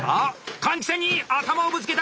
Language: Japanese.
換気扇に頭をぶつけた！